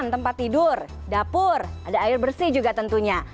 satu ratus enam puluh enam tempat tidur dapur ada air bersih juga tentunya